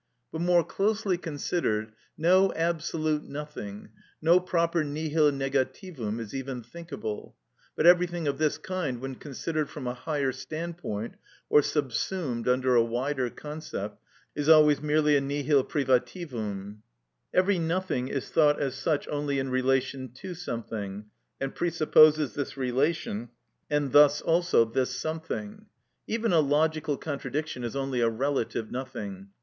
But more closely considered, no absolute nothing, no proper nihil negativum is even thinkable; but everything of this kind, when considered from a higher standpoint or subsumed under a wider concept, is always merely a nihil privativum. Every nothing is thought as such only in relation to something, and presupposes this relation, and thus also this something. Even a logical contradiction is only a relative nothing.